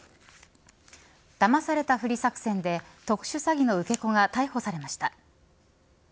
だまされたふり作戦で特殊詐欺の受け子が逮捕されました。